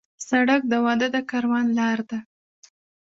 سړک د واده د کاروان لار ده.